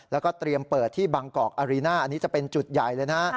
แล้วก็เตรียมเปิดที่บางกอกอารีน่าอันนี้จะเป็นจุดใหญ่เลยนะ